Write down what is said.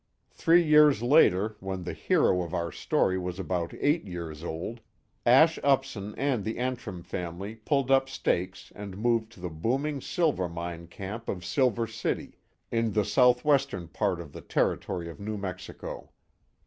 Three years later, when the hero of our story was about eight years old, Ash Upson and the Antrim family pulled up stakes and moved to the booming silver mining camp of Silver City, in the southwestern part of the Territory of New Mexico.